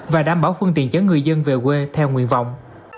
và đảm bảo phương tiện chở người dân về quê theo nguyện vọng